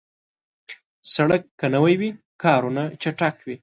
سړک که نوي وي، کارونه چټک وي.